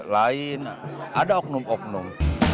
lain ada oknum oknum